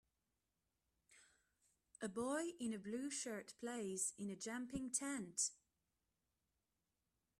A boy in a blue shirt plays in a jumping tent.